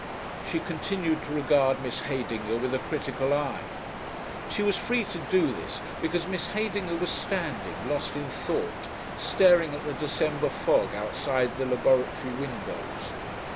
She continued to regard Miss Heydinger with a critical eye. She was free to do this because Miss Heydinger was standing, lost in thought, staring at the December fog outside the laboratory windows.